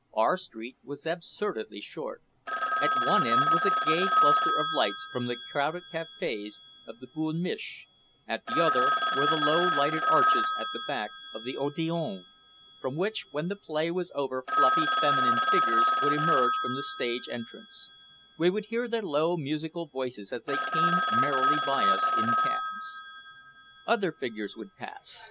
Our street was absurdly short. At one end was a gay cluster of lights from the crowded cafés of the "Boul' Mich'," at the other were the low lighted arches at the back of the Odéon, from which when the play was over fluffy feminine figures would emerge from the stage entrance; we would hear their low musical voices as they came merrily by us in cabs. Other figures would pass.